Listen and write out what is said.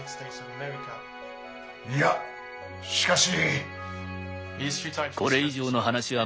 いやしかし。